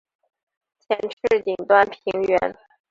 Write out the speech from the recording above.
前翅顶端平圆。